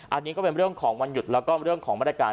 อันนี้ก็เป็นเรื่องของวันหยุดแล้วก็เรื่องของมาตรการ